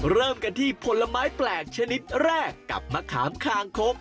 เริ่มกันที่ผลไม้แปลกชนิดแรกกับมะขามคางคก